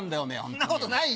そんなことないよ。